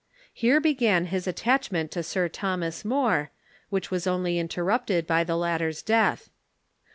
Here began his attachment to Sir Thomas More, which was only interrupted by the lat ter's death.